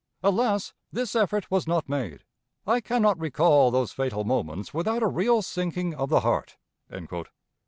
Alas! this effort was not made. I can not recall those fatal moments without a real sinking of the heart."